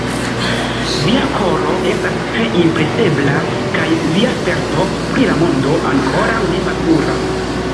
Via koro estas tre impresebla, kaj via sperto pri la mondo ankoraŭ nematura.